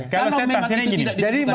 kalau memang itu tidak diterima